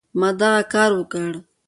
ما دغه کار وکړ.